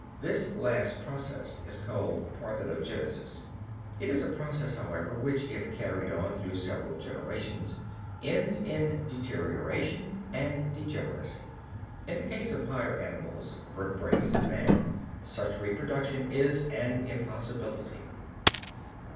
This last process is called parthenogenesis. It is a process, however, which if carried on through several generations, ends in deterioration and degeneracy. In the case of the higher animals, vertebrates and man, such reproduction is an impossibility.